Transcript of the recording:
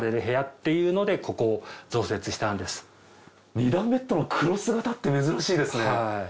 ２段ベッドのクロス型って珍しいですね。